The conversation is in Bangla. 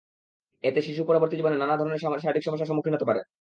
এতে শিশু পরবর্তী জীবনে নানা ধরনের শারীরিক সমস্যার সম্মুখীন হতে পারে।